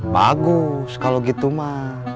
bagus kalau gitu mah